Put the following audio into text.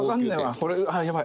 これはやばい。